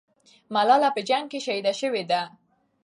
ملالۍ په جنگ کې شهیده سوې ده.